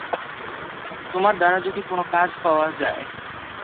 তোমার দ্বারা যদি কোনো কাজ পাওয়া যায়!